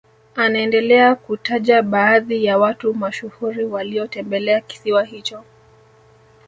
Anaendelea kutaja baadhi ya watu mashuhuri waliotembelea kisiwa hicho